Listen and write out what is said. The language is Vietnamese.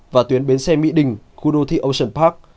và tuyến bến xe mỹ đình khu đô thị ocean park